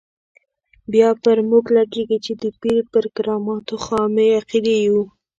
بیا پر موږ لګېږي چې د پیر پر کراماتو خامې عقیدې یو.